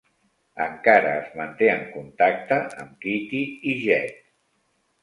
Encara es manté en contacte amb Keaty i Jed.